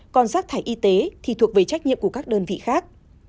còn rác thải y tế thì thuộc về trách nhiệm của các đơn vị khác